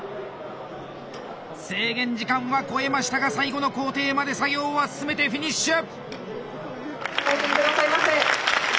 制限時間はこえましたが最後の工程まで作業は進めてフィニッシュ！